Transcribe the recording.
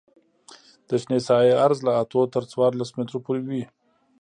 د شنې ساحې عرض له اتو تر څوارلس مترو پورې وي